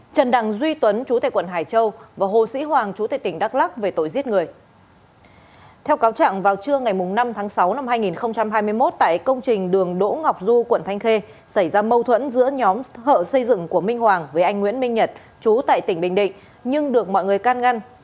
hai mươi một tại công trình đường đỗ ngọc du quận thanh khê xảy ra mâu thuẫn giữa nhóm hợ xây dựng của minh hoàng với anh nguyễn minh nhật chú tại tỉnh bình định nhưng được mọi người can ngăn